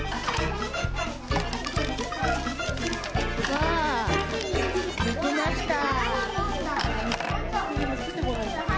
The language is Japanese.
わあできました！